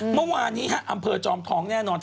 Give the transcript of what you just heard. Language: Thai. เมื่อวานนี้อำเภอจอมทองแน่นอน